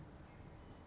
seratnya itu banyak